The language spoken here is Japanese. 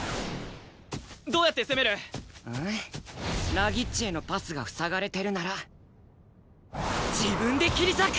凪っちへのパスがふさがれてるなら自分で切り裂く！